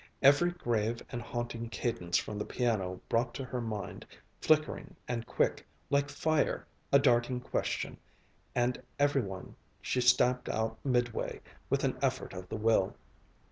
Every grave and haunting cadence from the piano brought to her mind, flickering and quick, like fire, a darting question, and every one she stamped out midway, with an effort of the will.